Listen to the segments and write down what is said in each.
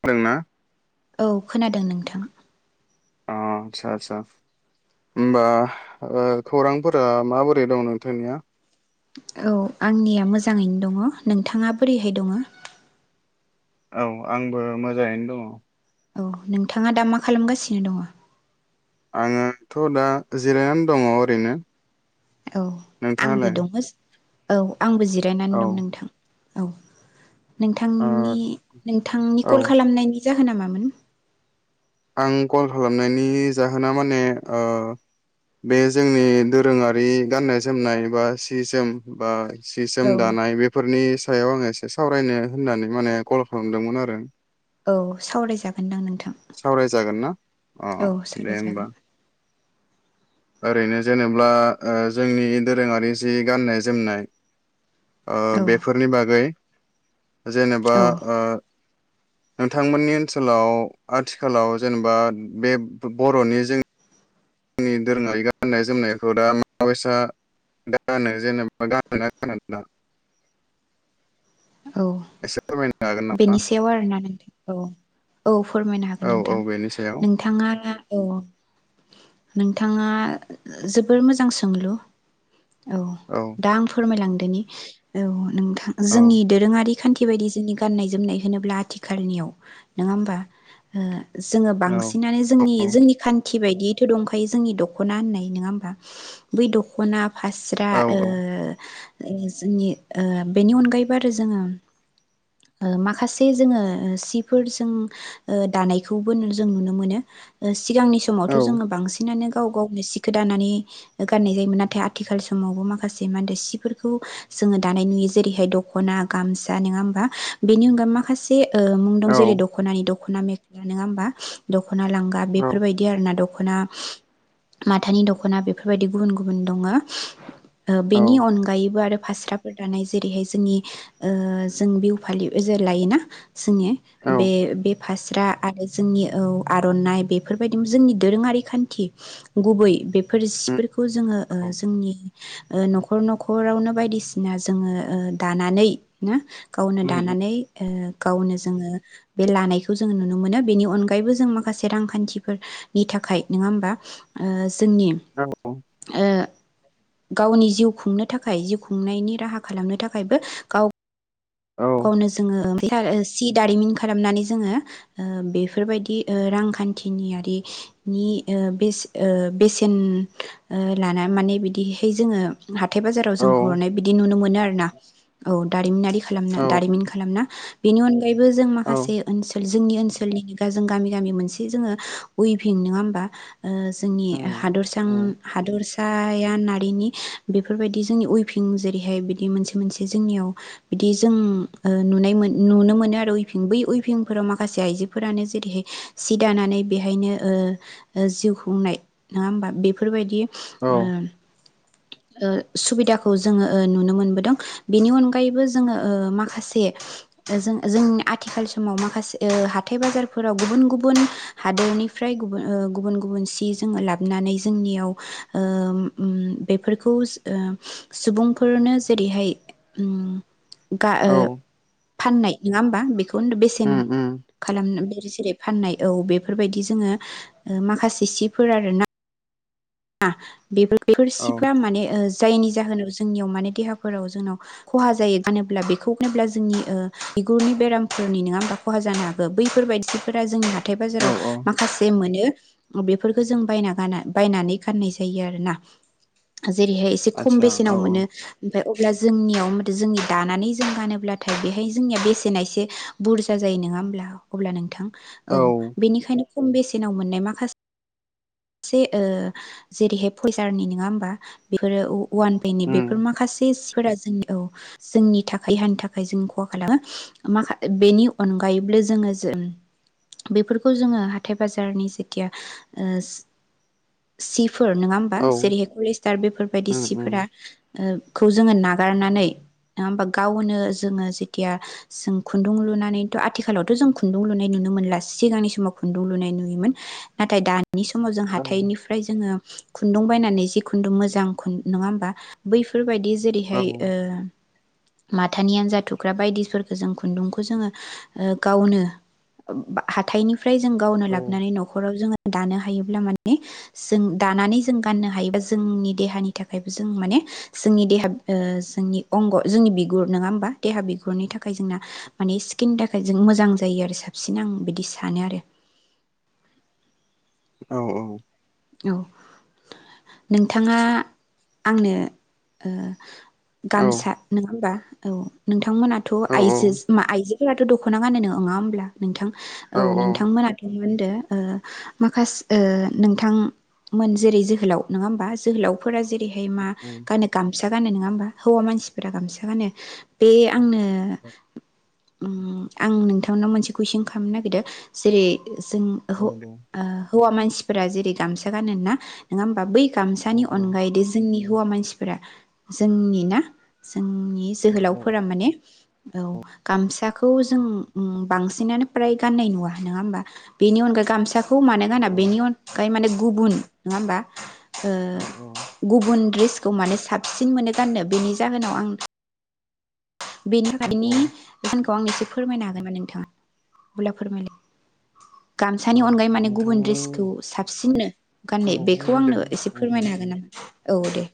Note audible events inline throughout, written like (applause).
खोनादों ना औ खोनादों नोंथां अ आस्सा आस्सा होमबा ओ खौरांफोरा माबोरै दं नोंथांनिया औ आंनिया मोजाङैनो दङ नोंथाङा बोरैहाय दङ औ आंबो मोजाङैनो दङ औ नोंथाङा दा मा खालामगासिनो दङ आङोथ' दा जिरायनानै दङ ओरैनो औ आंबो नोंथाङालाय? दङ जि औ आंबो जिरायनानै औ दं नोंथां औ ओ नोंथांनि नोंथांनि औ कल खालामनायनि जाहोना मामोन आं कल खालामनायनि जाहोना माने ओ बे जोंनि दोरोङारि गाननाय जोमनाय बा सि जोम बा सि औ सोम दानाय बेफोरनि सायाव आङो एसे सावरायनो होननानै माने कल खालामदोंमोन आरो। औ सावरायजागोनदां नों सावराय जागोन ना अ दे सावरायजागोन होनबा। ओरैनो जेनेबा जोंनि दोरोङारि जि गाननाय जोमनाय। औ बेफोरनि बागै जेनेबा औ नोंथांमोननि ओनसोलाव आथिखालाव जेनेबा बे बर'नि जों आंनि दोरोङै गाननाय जोमनायखौ दा मायसा गानो जेनेबा गानोना गाना औ एसे फोरमायनो हागोन नामा बेनि सायाव आरोना नोंथां? औ औ फोरमायनो हागोन औ नोंथां औ बेनि सायाव नोंथाङा औ नोंथाङा जोबोर मोजां सोंलु औ दा आं फोरमायलांदों। नि औ नोंथां औ जोंनि दोरोङारि खान्थि बायदि जोंनि गाननाय जोमनाय होनोब्ला आथिखालनियाव नङा होमबा? जोङो बांसिनानो जोंनि जोंनि खानथि खानथि बायदियैथ' दंखायो जोंनि दख'ना होननाय नङा होमबा? बै दखना फास्रा औ ओ जोंनि बेनि अनगायैबो आरो जोङो माखासे जोङो सिफोरजों दानायखौबो जों नुनो मोनो सिगांनि औ समावथ' जोङो बांसिनानो गाव गावनो सिखौ दानानै गाननाय जायोमोन नाथाय आथिखाल समावबो माखासे मा होनदो सिफोरखौ जोङो दानाय नुयो जेरैहाय दख'ना गामसा नङा होमबा? बेनि अनगा माखासे मुं दं औ जेरै दख'नानि दख'ना मे नङा होमबा दखना? दख'ना लांगा बेफोरबायदि आरो ना द दखना माथानि दख'ना बेफोरबायदि गुबुन गुबुन दङ ओ औ बेनि औ अनगायैबो आरो फास्राफोर दानाय जेरैहाय जोंनि ओ जों बे फालि (unintelligible) लायोना? जोङो बे बे फास्रा आरो जोंनि औ आर'नाइ बेफोरबायदि जोंनि दोरोङारि खान्थि गुबै बेफोर जिफोरखौ खौ जोङो ओ जोंनि न'खर न'खरावनो बायदिसिना जोङो दानानै ना गावनि दानानै ओ गावनो जोङो बे लानायखौ जोङो नुनो मोनो बेनि अनगायैबो जों माखासे रांखान्थिफोरनि थाखाय नङा होमबा ओ जोंनि ओ गावनि जिउ खुंनो थाखाय जिउ खुंनायनि राहा खालामनो थाखायबो गाव गावनो जोङो ओ सि दारिमिन खालामनानै जोङो ओ बेफोरबायदि ओ रांखान्थिनियारिनि ओ बेसे ओ बेसेन लाना माने बिदिहाय जोङो हाथाय बाजाराव जों हरनाय बिदि नुनो मोनो आरो औ दारिमिनारि औ खालामना दारिमिन खालामना बिनि अनगा यैबो जों औ माखासे ओनसोल जोंनि ओनसोलनिनो जों गामि गामि मोनसे जोङो उइभिं नङा होमबा ओ जोंनि औ उम हादसा हादरसाया नारिनि बेफोरबायदि जोंनि उइभिं जेरैहाय बिदि मोनसे मोनसे जोंनियाव बिदि जों ओ नुनाय मोन नुनो मोनो आरो उइफिं बै उइफिंफोराव माखासे आइजोफोरानो जेरैहाय सि दानानै बेहायनो ओ ओ जिउ खुंनाय नङा होमबा बेफोरबायदि ओ ओ सुबिदाखौ जोङो ओ नुनो मोनबोदों बेनि अनगायैबो जोङो ओ माखासे जों जोंनि आथिखाल समाव माखासे ओ हाथाइ बाजारफोराव गुबुन गुबुन हादोरनिफ्राय गुबुन ओ गुबुन गुबुन सि जोङो लाबोनानै जोंनियाव ओ बेफोरखौ सुबुंफोरनो जेरैहाय गा ओ फाननाय नङा होम बा बेखौ बेसेन उम खालामनो (unintelligible) जेरै फाननाय औ बेफोरबायदि जोङो ओ माखासे सिफोर आरो ना आ बेफोर बेफोर औ सिफ्रा माने ओ जायनि जाहोनाव जोंनियाव माने देहाफोराव जोंनाव खहा जायो गानोब्ला बेखौ गानोब्ला जोंनि ओ बिगुरनि बेरामफोरनि नङा होमा खहा जानो हागौ बैफोरबायदि सिफोरा जोंनिया हाथाइ औ बाजाराव औ माखासे मोनो बेफोरखौ जों बायना गाना बायनानै गाननाय जायो आरोना जेरैहाय एसे खम आतसा औ बेसेनाव मोनो औ ओमफ्राय अब्ला जोंनियाव आरो जोंनि दानानै जों गानोब्लाथाय बेहाय जोंनिया बेसेना एसे बुरजा जायो नङा होमब्ला अब्ला नोंथां औ बेनिखायनो खम बेसेनाव मोननाय माखासे से ओ जेरैहाय फ (inaudible) सारनि नङा होमबा बेफोरो औ वान पेनि बेफोर उम माखासेसिफोरा औ जोंनि थाखाय हानि थाखाय जों खहा खालामो माखा बेनि अनगायैबो जोङो ज बेफोरखौ जोङो हाथाय बाजारनि जेथिया ओ सिफ फोर नङा होमबा औ जेरैहाय कलस्टार बेफोरबायदि उम उम सिफोरा ओ खौ जोङो नागारनानै नङा होमबा गावनो जोङो जेथिया जों खुन्दुं लुनानैथ' आथिखालावथ' जों खुन्दुं लुनाय नुनो मोनला सिगांनि समाव खुन्दुं लुनाय नुयोमोन नाथाय दानि समाव जों औ हाथाइनिफ्राय जोङो खुनदुं बायनानै जि खुनदुं मोजां नङा होमबा बैफोरबायदि औ जेरैहाय ओ माथानि आनजा थुख्रा बायदिफोरखौ जों खुनदुंखौ जोङो ओ गावनो हाथाइनि फ्राय जों गावनो औ लाबनानै न'खराव जोङो दानो हायोब्ला माने जों दानानै जों गाननो हायोबा जोंनि देहानि थाखायबो जों माने जोंनि देहा ओ जोंनि अंग जोंनि बिगुर नङा होमबा देहा बिगुरनि थाखाय जोंना माने स्किननि थाखाय जों मोजां जायो आरो साबसिन आं बिदि सानो आरो औ औ औ नोंथाङा आंनो ओ औ गामसा नङा होमबा औ नों थांमोनाथ' आइजो आइजो फोराथ' दख'ना गानो नङा होमब्ला नोंथां औ नोंथांमोनाथ' मा होनदो ओ माखासे ओ नोंथां मोन जेरै जोहोलाव नङा होमबा जोहोलावफोरा जे हाय मा उम गानो गाम सा गानो नङा होमबा हौवा मानसिफोरा गामसा गानो बे आंनो उ आं नोंथांनाव मोनसे कुइसन खालामनो नागिरदों जेरै जों औ हो दे ओ हौवा मानसिफोरा जेरै गामसा गानो ना नङा होमबा बै औ गामसानि अनगायै दि जोंनि हौवा मानसिफोरा जोंनि ना जोंनि औ औ जोहोलावफोरा माने औ गामसाखौ जों बांसिनानो फ्राय गाननाय नुवा नङा होमबा बेनि अनगायै गामसा खौ मानो गोना औ बेनि अन गायै माने गुबुन नङा होमबा ओ गुबुन द्रिस खौ माने साबसिन मोनो गाननो बेनि जाहोनाव आं औ औ (unintelligible) खौ आंनो एसे फोरमायनो हागोन ना नोंथांङा अब्ला फोरमायलाय गामसानि अनगायै माने गुबुन नोंथांनि दड्रेसखौ साबसिननो औ गाननाय बेखौ आंनो बुजिदों एसे उम उम फोरमायनो हागोन नामा औ दे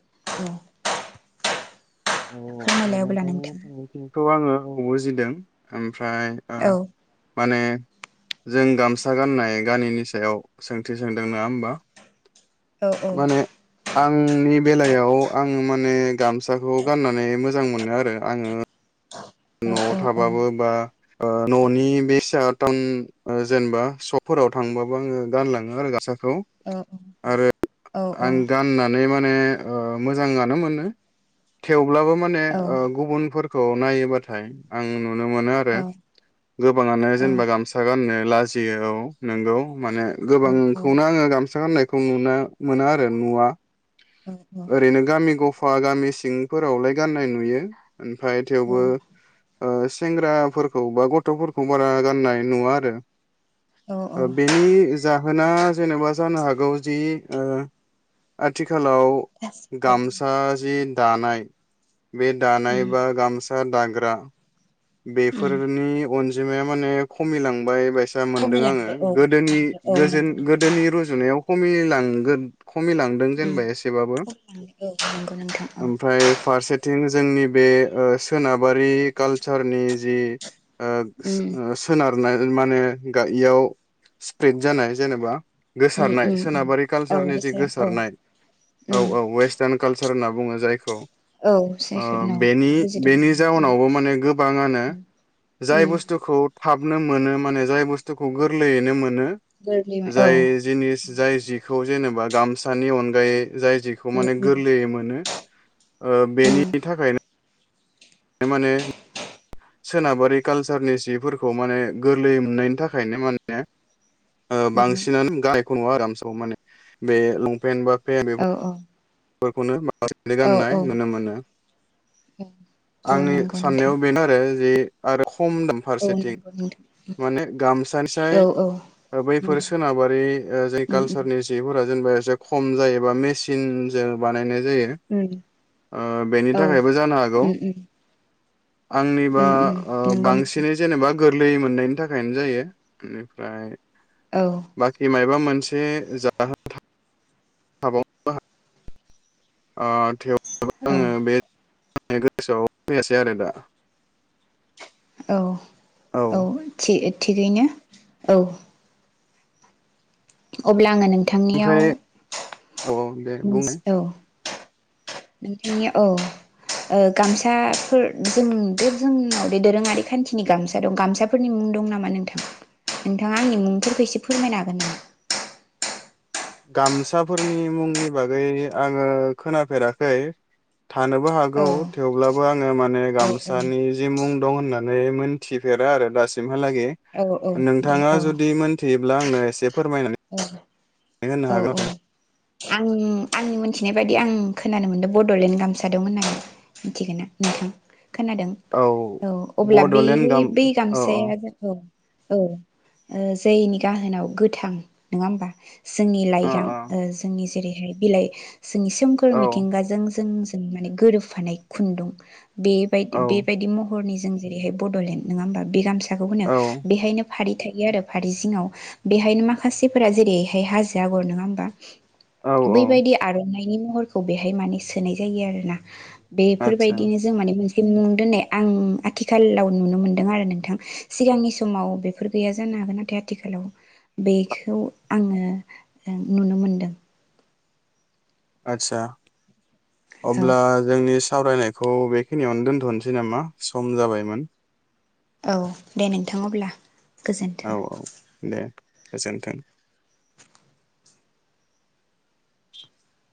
औ फोरमायलाय अब्ला नोंथाङा खौ आङो बुजिदों ओमफ्राय औ माने जों गामसा गाननाय गाननिनि सायाव सोंथि सोंदों नङा होमबा औ औ माने आंनि बेलायाव आङो माने गामसा बेखौ गाननानै मोजां मोनो आरो आङो न'आव औ थाबाबो बा न'नि बे टाउन जेनेबा सपफोराव थांबाबो आङो गानलाङो आरो गामसाफोरखौ औ आरो औ आं गाननानै माने माने मोजांआनो मोनो थेवब्लाबो माने गुबुनफोर खौ नायोबा आं नुनो मोनो आरो गोबाङानो जेनेबा गामसा गाननो लाजियो औ नोंगौ माने गोबांखौनो आङो गामसा गाननायखौ खौ नुनो मोनो आरो नुवा ओरैनो गामि गफा आफा गामि सिंफोरावलाय गाननाय नुयो ओमफ्राय औ थेवबो सेंग्राफोरखौ बा गथ'फोरखौ बारा गाननाय नुवा आरो औ औ बेनि जाहोना जेनेबा जानो हागौ जि आथिखालाव गासिबो गामसा जि दानाय बे दानाय उम बा गामसा दाग्रा उम बेफोरनि अनजिमा अनजिमाया माने खमिलां बाय बायसा मोनदों आङो खमायलांबाय औ गोदोनि नंगौ नोंथां गोदोनि रुजुनायाव खमिलांगोन खमिलांदों उम जेनबा एसेबाबो खमायलांबाय औ नंगौ नोंथां औ ओमफ्राय फारसेथिं जोंनि बे ओ सोनाबारि काल चारनि जि उम ओ सोनारनाय माने गा इयाव स्प्रेद जानाय जेनेबा उम गोसारनाय उम उम सोनाबारि औ कालचारनि जि गोसो औ गोसारनाय औ उम औ वेस्टार्न कालचार सार होनना बुङो जायखौ औ ओ जायखौ औ बेनि बुजिदों बेनि उम जाउनावबो माने गोबां गोबाङानो जाय उम बुस्थुखौ थाबनो मोनो माने जाय बुस्थुखौ गोरलैयैनो मोनो गोरलै औ जाय जिनिस जाय खौ जेनेबा गामसानि अनगायै जाय जिखौ उम माने उम गोरलैयै मोनो ओ उम बेनि थाखायनो माने सोनाबारि कालसारनि सिफोरखौ माने गोरलैयै मोननायनि थाखायनो माने ओ उम बांसिनानो गाहायखौ (inaudible) नङ (inaudible) आरामसेआव माने बे लंपेनन्ट बा औ औ गयखौनो (unintelligible) औ गाननाय औ नुनो मोनो औ आंनि नंगौ नोंथां साननायाव बेनो आरो जि आरो खम दाम औ फारसेथिं नंगौ नोंथां माने गामसानिसाय औ औ बैफोर नंगौ सोनाबारि ओ जाय उम उम कालसारनि जि जोंबा इसे खम जायो बा मेसिन जों बानायनो जायो उम ओ बेनि औ थाखायबो जानो हागौ उम उम आंनिबा उम उम ओ नंगौ नोंथां बांसिनै जेनेबा गोरलै मोननायनि थाखायनो जायो बेनिफ्राय औ बाखि मायबामोन मोनसे जाहोन (inaudible) (unintelligible) अ औ (unintelligible) गोसोयाव फैयासै आरो दा औ औ थि थिगैनो औ अ ब्ला आङो नोंथांनियाव ओमफ्राय औ दे बुंनाय औ नोंथांनि औ ओ गामसाफोर जों बे जोंनाव बे दोरोङारि खान्थिनि गामसा दं गामसाफोरनि मुं दं नामा नोंथां नोंथाङा आंनि मुंफोरखौ एसे फोरमायनो हागोन नामा गामसाफोरनि मुंनि बागै आङो खोनाफेराखै थानोबो हागौ औ थेवब्लाबो आ ङो माने गामसानि जि मुं दं होननानै मोनथिफेरा आरो दासिम हा लागे औ औ दे नोंथाङा औ जुदि मोनथियोब्ला आंनो एसे फोरमायनानै होनो औ औ हागोन आरो आं आंनि मोनथिनाय बायदि आं खोनानो मोनदो बड'लेण्ड गामसा दं होननानै मिथिगोना नोंथां खोनादों औ अब्ला बड'लेण्ड बेहाय गाम बै गामसाया औ औ ओ जोयनि गाहोनाव गोथां नङा होमबा जोंनि अ लाइगां ओ जोंनि जेरै हाय बिलाय जोंनि सोमखोर औ मिथिंगाजों जों जों माने गोरोबफानाय खुन्दुं बेबाय औ बेबायदि महरनि जों जेरै हाय बर'लेण्ड नोङा होमबा बि गामसा खौ होनो औ बेहायनो फारि थायो आरो फारि जिङाव बेहायनो मा खासेफोरा जेरैहाय हाजो आगर नोङा होमबा औ औ बैबायदि आर'नाइनि महरखौ बेहाय माने सोनाय जायो आरोना आदसा बेफोरबायदिनो जों माने मोनसे दोननाय आं आथिखालाव नुनो मोनदों आरो नोंथां सिगांनि समाव बेफोर गैया जानो हागोन नाथाय आथिखालाव बेखौ आङो ओं नुनो मोनदों आतसा औ अब्ला जोंनि सावरायनायखौ बेखिनियावनो दोनथ'नोसै नामा सम जाबायमोन औ दे नोंथां अब्ला औ गोजोन्थों औ दे गोजोनथों (inaudible)